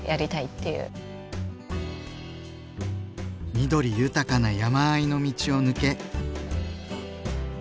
緑豊かな山あいの道を抜け。